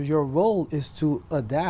tôi sẽ đi